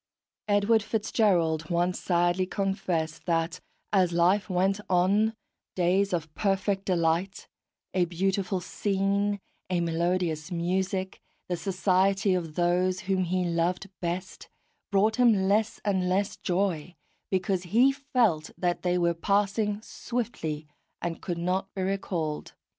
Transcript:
Edward FitzGerald once sadly confessed that, as life went on, days of perfect delight a beautiful scene, a melodious music, the society of those whom he loved best brought him less and less joy, because he felt that they were passing swiftly, and could not be recalled.